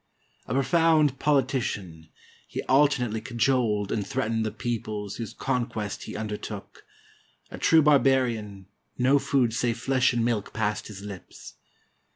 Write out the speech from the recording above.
"A profound politician, he alternately cajoled and threat ened the peoples whose conquest he undertook; a true bar barian, no food save flesh and milk passed his lips.